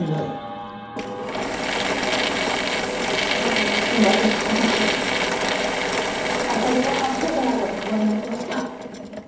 柴田が死んだと知った時あかりの犯行じゃないかと不安になりました。